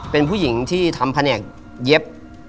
เป็นผู้หญิงที่ทำแผนกเย็บ